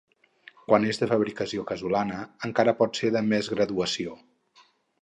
Quan és de fabricació casolana encara pot ser de més graduació.